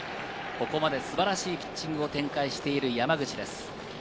ここまで素晴らしいピッチングを展開している山口です。